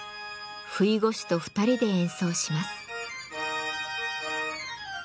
ふいご手と２人で演奏します。